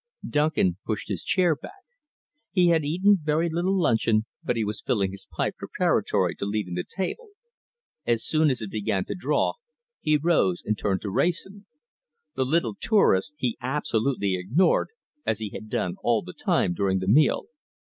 Duncan pushed his chair back. He had eaten very little luncheon, but he was filling his pipe preparatory to leaving the table. As soon as it began to draw, he rose and turned to Wrayson. The little tourist he absolutely ignored, as he had done all the time during the meal.